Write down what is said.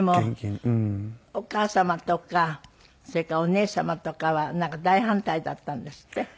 それからお姉様とかは大反対だったんですって？